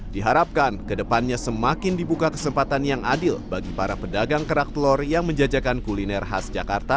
diharapkan kedepannya semakin dibuka kesempatan yang adil bagi para pedagang kerak telur yang menjajakan kuliner khas jakarta